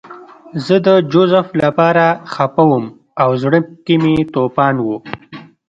زه د جوزف لپاره خپه وم او زړه کې مې توپان و